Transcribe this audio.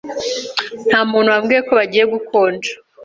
Ntamuntu wambwiye ko bigiye gukonja.